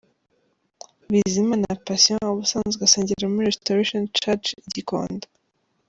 Bizimana Patient ubusanzwe asengera muri Restauration Church i Gikondo.